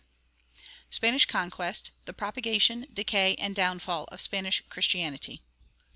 SPANISH CONQUEST THE PROPAGATION, DECAY, AND DOWNFALL OF SPANISH CHRISTIANITY.